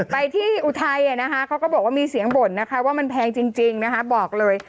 ไปที่อุทัยนะคะเขาก็บอกว่ามีเสียงบ่นนะคะว่ามันแพงจริงนะคะบอกเลย